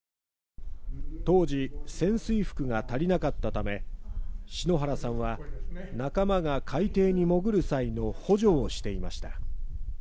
当時、潜水服が足りなかったため篠原さんは仲間が海底に潜る際の補助をしていました。